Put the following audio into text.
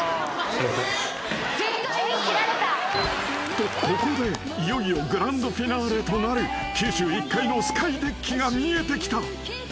［とここでいよいよグランドフィナーレとなる９１階のスカイデッキが見えてきた］